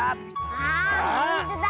あほんとだ。